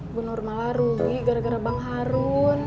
bu nurmala rugi gara gara bang harun